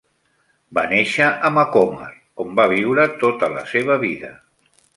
Va néixer a Macomer, on va viure tota la seva vida.